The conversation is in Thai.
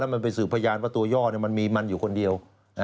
มันไปสืบพยานว่าตัวย่อมันมีมันอยู่คนเดียว